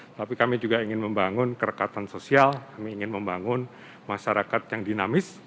tapi kami juga ingin membangun kerekatan sosial kami ingin membangun masyarakat yang dinamis